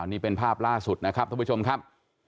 นี่เป็นภาพล่าสุดนะครับท่านผู้ชมครับ